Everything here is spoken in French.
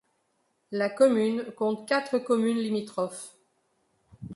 La commune compte quatre communes limitrophes.